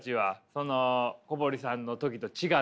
その小堀さんの時と違って。